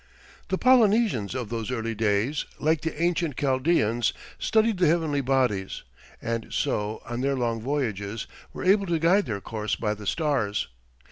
The Polynesians of those early days, like the ancient Chaldeans, studied the heavenly bodies, and so, on their long voyages, were able to guide their course by the stars.